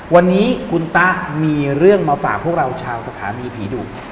วันนี้คุณตะมีเรื่องมาฝากพวกเราชาวสถานีผีดุ